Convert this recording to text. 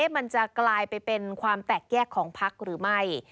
มันจะกลายไปเป็นความแตกแยกของพักหรือไม่